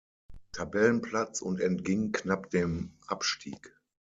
Tabellenplatz und entging knapp dem Abstieg.